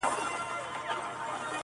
او ژور فکر پيدا-